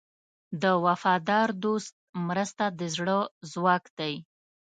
د وفادار دوست مرسته د زړه ځواک دی.